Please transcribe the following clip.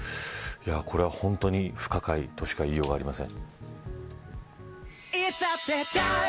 これは本当に不可解としかいいようがありません。